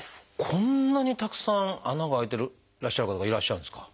こんなにたくさん穴が開いてらっしゃる方がいらっしゃるんですか？